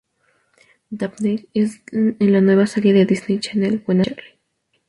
Dabney" en la nueva serie de Disney Channel "Buena Suerte Charlie!".